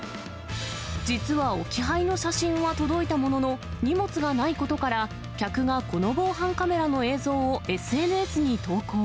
実は置き配の写真は届いたものの、荷物がないことから、客がこの防犯カメラの映像をＳＮＳに投稿。